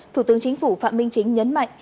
thủ tướng chính phủ phạm minh chính nhấn mạnh